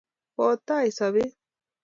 kotai sapet